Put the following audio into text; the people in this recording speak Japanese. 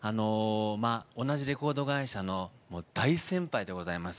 同じレコード会社の大先輩でございます